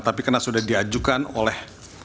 tapi karena sudah diajukan oleh